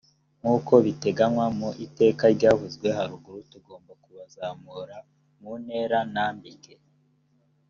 nkuko biteganywa mu iteka ryavuzwe haruguru tugomba kubazamura mu ntera ntambike